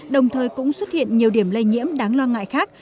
đồng thời cũng xuất hiện nhiều điểm lây nhiễm đáng lo ngại khác